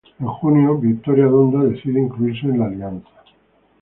En junio Victoria Donda decide incluirse en la alianza.